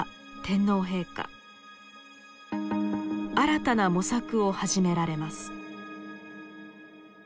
新たな模索を始められます。